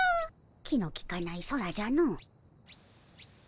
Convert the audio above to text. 気のきかない空じゃの。